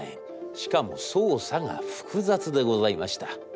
しかも操作が複雑でございました。